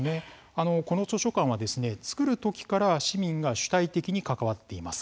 この図書館は作る時から市民が主体的に関わっています。